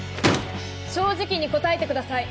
正直に答えてください。